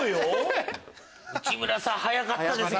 内村さん早かったですね。